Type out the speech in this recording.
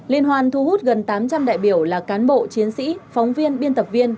liên hoan thu hút gần tám trăm linh đại biểu là cán bộ chiến sĩ phóng viên biên tập viên